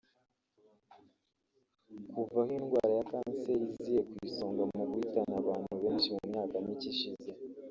Kuva aho indwara ya kanseri iziye ku isonga mu guhitana abantu benshi mu myaka mike ishize